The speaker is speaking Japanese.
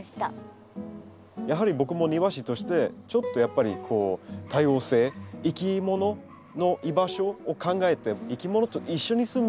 やはり僕も庭師としてちょっとやっぱり多様性いきものの居場所を考えていきものと一緒に住む環境